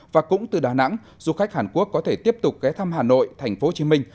và cũng từ đà nẵng du khách hàn quốc có thể tiếp tục ghé thăm hà nội thành phố hồ chí minh